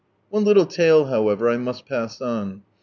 One little tale, however, I must pass on.